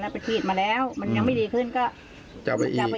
โกมจะหยิบเรียกมัน